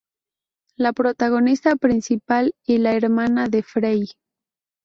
La protagonista principal y la hermana de Frey.